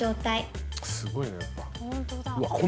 すごいねやっぱ。